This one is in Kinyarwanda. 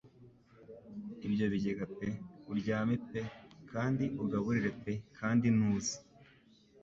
Ibyo bigega pe uryame pe kandi ugaburire pe kandi ntuzi.